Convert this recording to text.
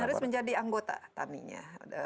dan harus menjadi anggota taninya